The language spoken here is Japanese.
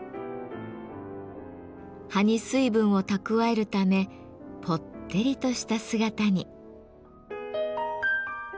葉に水分を蓄えるためぽってりとした姿に。